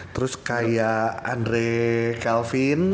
terus kayak andre kelvin